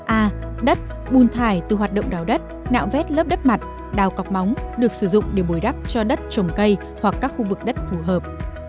a đất bùn thải từ hoạt động đào đất nạo vét lớp đất mặt đào cọc móng được sử dụng để bồi đắp cho đất trồng cây hoặc các khu vực đất phù hợp